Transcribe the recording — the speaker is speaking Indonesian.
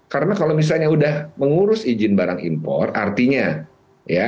karena kalau misalnya udah mengurus izin barang impor artinya